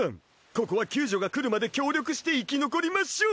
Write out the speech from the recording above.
ここは救助が来るまで協力して生き残りましょう。